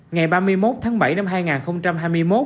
ngày ba mươi một tháng bảy năm hai nghìn hai mươi một